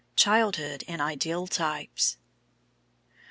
CHILDHOOD IN IDEAL TYPES.